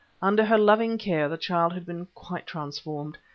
Under her loving care the child had been quite transformed.